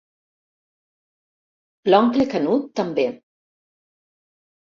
L'oncle Canut també.